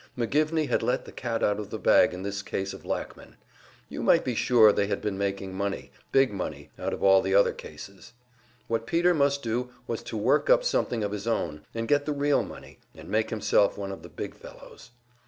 McGivney had let the cat out of the bag in this case of Lackman; you might be sure they had been making money, big money, out of all the other cases. What Peter must do was to work up something of his own, and get the real money, and make himself one of the big fellows.